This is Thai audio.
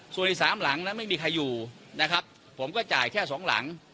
ส่วนอีกสามหลังนั้นไม่มีใครอยู่นะครับผมก็จ่ายแค่สองหลัง